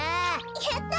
やった！